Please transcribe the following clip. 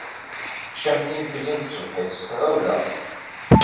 Teččamt imekli n tṣebḥit s tɣawla.